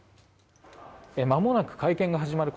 まもなく会見が始まる